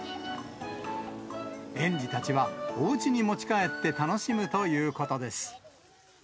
園児たちは、おうちに持ち帰って楽しむということです。